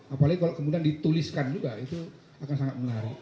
apalagi kalau kemudian dituliskan juga itu akan sangat menarik